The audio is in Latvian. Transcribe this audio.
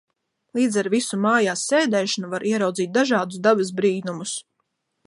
Līdz ar visu mājās sēdēšanu var ieraudzīt dažādus dabas brīnumus.